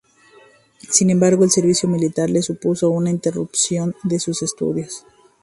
Sin embargo, el servicio militar le supuso una interrupción de sus estudios.